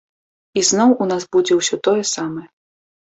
Ізноў у нас будзе ўсё тое самае.